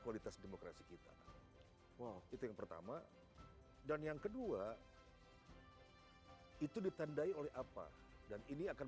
kualitas demokrasi kita wow itu yang pertama dan yang kedua itu ditandai oleh apa dan ini akan